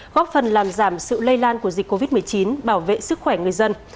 góp phần làm giảm sự lây lan của dịch covid một mươi chín bảo vệ sức khỏe người dân